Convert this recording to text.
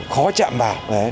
khó chạm vào